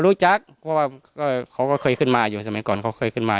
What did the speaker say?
รู้จักเพราะว่าเขาก็เคยขึ้นมาอยู่สมัยก่อนเขาเคยขึ้นมา